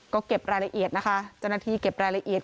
ก็เก็บรายละเอียดนะคะเจ้าหน้าที่เก็บรายละเอียด